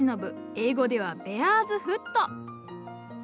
英語ではベアーズフット。